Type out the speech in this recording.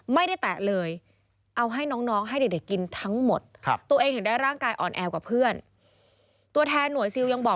ไม่ได้แตะเลย